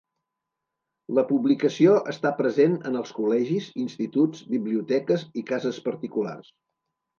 La publicació està present en els col·legis, instituts, biblioteques i cases particulars.